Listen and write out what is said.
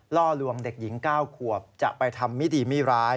ล่อลวงเด็กหญิง๙ขวบจะไปทำไม่ดีไม่ร้าย